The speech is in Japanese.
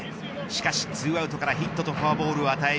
しかし２アウトからヒットとフォアボールを与え